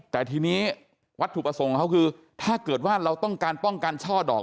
แต่ทีนี้วัตถุประสงค์ของเขาคือถ้าเกิดว่าเราต้องการป้องกันช่อดอก